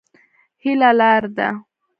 هيله لار ده.